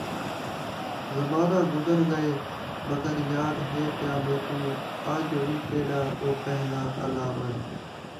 زمانہ گُزر گئے مگر یاد ہے پیا میکوں اج وی تیڈا او پہلا الانون